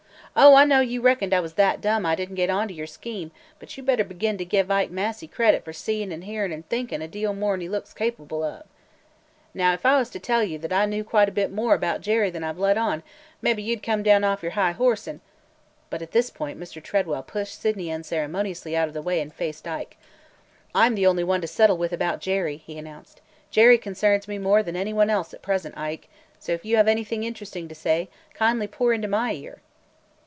Oh, I know you reckoned I was that dumb I did n't get on to your scheme, but you better begin to give Ike Massey credit for seein' an' hearin' an' thinkin' a deal more 'n he looks capable of! Now if I was to tell you that I know quite a bit more about Jerry than I 've let on, mebbe you 'd come down off your high horse an' –" But at this point Mr. Tredwell pushed Sydney unceremoniously out of the way and faced Ike. "I 'm the only one to settle with about Jerry!" he announced. "Jerry concerns me more than any one else at present, Ike, so if you have anything interesting to say, kindly pour into my ear!"